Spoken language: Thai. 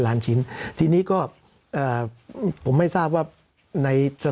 สำหรับกำลังการผลิตหน้ากากอนามัย